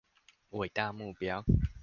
偉大目標